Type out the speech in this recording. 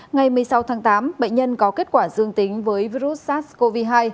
ngày một mươi sáu tháng tám bệnh nhân có kết quả dương tính với virus sars cov hai